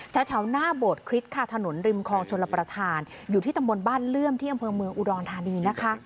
ทะเลาะแผ่นหน้าโบสถ์คริสต์ชนละประทานอยู่ที่บ้านเรื่อมที่ออุดอนทานี